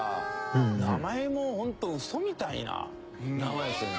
名前もホントウソみたいな名前ですよね。